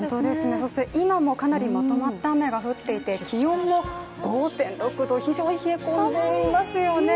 そして今もかなりまとまった雨が降っていて気温も５．４度、非常に冷え込んでいますよね。